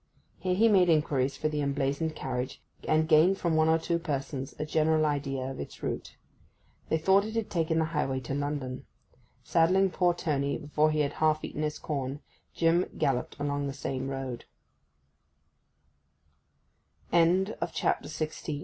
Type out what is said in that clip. Here he made inquiries for the emblazoned carriage, and gained from one or two persons a general idea of its route. They thought it had taken the highway to London. Saddling poor Tony before he had half eaten his corn, Jim galloped along the same road.